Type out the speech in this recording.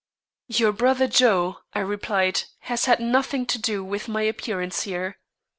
"Your brother Joe," I replied, "has had nothing to do with my appearance here.